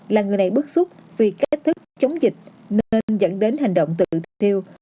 là người này bức xúc vì cách thức chống dịch nên dẫn đến hành động tự thiêu